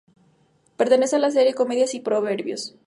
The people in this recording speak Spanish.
Pertenece a la serie "Comedias y proverbios".